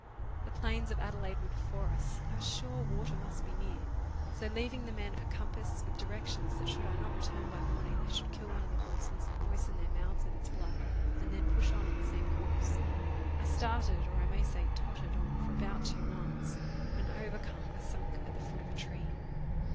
The plains of Adelaide were before us. I was sure water must be near ; so leaving the men a compass, with directions that should I not return by morning they should kill one of the horses and moisten their mouths with its blood, and then push on in the same course, I started, or I may say, tottered on for about two miles, when overcome I sunk at the foot of a tree.